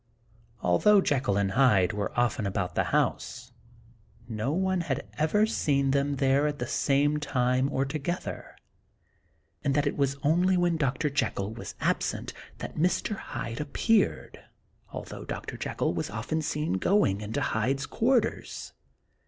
Although Jekyll and Hyde were often about the house, no one had ever seen them there at the same time or together, and that it was only when Dr. Jekyll was absent that Mr. Hyde appeared, although Dr. Jekyll was often seen going into Hyde's quarters.